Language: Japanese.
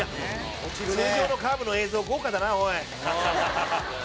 「通常のカーブの映像豪華だなおい」